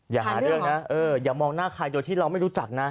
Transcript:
อย่าหาเรื่องนะอย่ามองหน้าใครโดยที่เราไม่รู้จักนะ